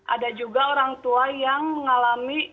ada juga orang tua yang mengalami